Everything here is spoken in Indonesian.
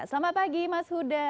selamat pagi mas huda